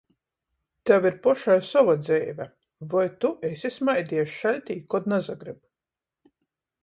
Tev ir pošai sova dzeive!"" Voi tu esi smaidejs šaļtī, kod nasagryb?